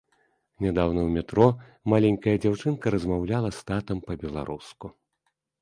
Нядаўна ў метро маленькая дзяўчынка размаўляла з татам па-беларуску.